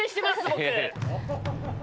僕。